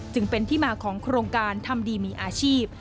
จึงเป็นที่มาของโครงการทำดีมีอาชีพ